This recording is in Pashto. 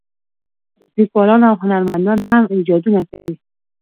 لیکوالان او هنرمندان هم ایجادونه کوي.